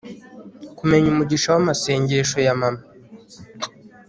kumenya umugisha w'amasengesho ya mama